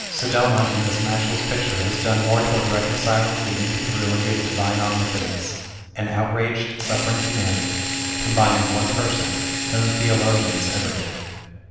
Sodoma, in this matchless picture, has done more towards reconciling the incongruity of Divine Omnipotence and outraged, suffering Humanity, combined in one person, than the theologians ever did.